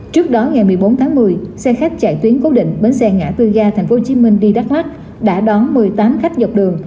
trước đó ngày một mươi bốn tháng một mươi xe khách chạy tuyến cố định bến xe ngã tư ga tp hcm đi đắk lắc đã đón một mươi tám khách dọc đường